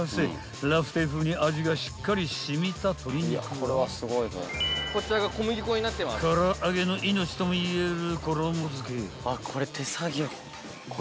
ラフテー風に味がしっかり染みた鶏肉は空上げの命ともいえる］